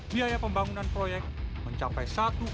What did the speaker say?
biaya pembangunan proyek mencapai